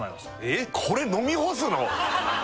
えっこれ飲み干すの？